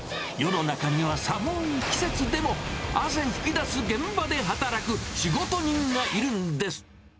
世の中には寒い季節でも、汗ふき出す現場で働く仕事人がいるんです。